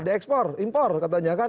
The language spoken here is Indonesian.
diekspor impor katanya kan